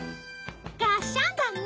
がっしゃんだね。